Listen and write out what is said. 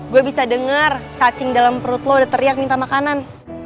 gue bisa dengar cacing dalam perut lo udah teriak minta makanan